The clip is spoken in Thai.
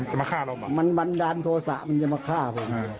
มันจะมาฆ่าเราบอกมันมันดันโทรศาสตร์มันจะมาฆ่าผมอ่า